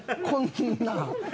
こんなん。